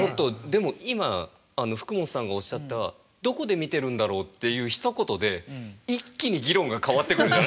でも今復本さんがおっしゃったどこで見てるんだろうっていうひと言で一気に議論が変わってくるじゃないですか。